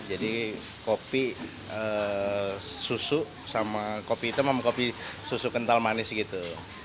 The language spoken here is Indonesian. jadi kopi susu sama kopi hitam sama kopi susu kental manis gitu